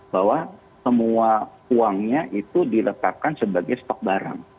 bahwa semua uangnya itu diletakkan sebagai stok barang